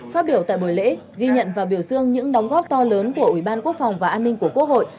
phát biểu tại buổi lễ ghi nhận và biểu dương những đóng góp to lớn của ủy ban quốc phòng và an ninh của quốc hội